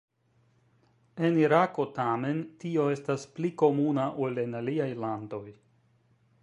En Irako tamen tio estas pli komuna ol en aliaj landoj.